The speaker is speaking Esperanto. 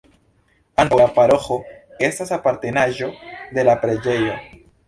Ankaŭ la paroĥo estas apartenaĵo de la preĝejo.